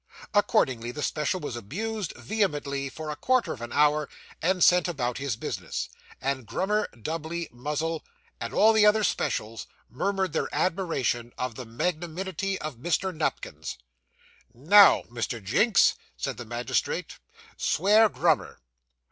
Accordingly, the special was abused, vehemently, for a quarter of an hour, and sent about his business; and Grummer, Dubbley, Muzzle, and all the other specials, murmured their admiration of the magnanimity of Mr. Nupkins. 'Now, Mr. Jinks,' said the magistrate, 'swear Grummer.